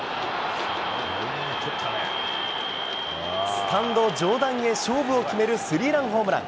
スタンド上段へ、勝負を決めるスリーランホームラン！